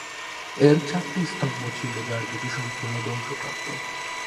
এর চারটি স্তম্ভ ছিল, যার দুটি সম্পূর্ণ ধ্বংসপ্রাপ্ত।